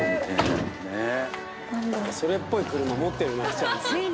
それっぽい車持ってるなちゃんと。